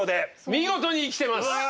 見事に生きてます！